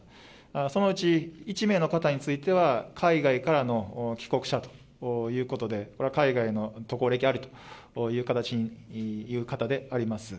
そのうち１名の方については、海外からの帰国者ということで、これは海外の渡航歴ありという方であります。